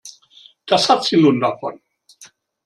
Das hat sie nun davon.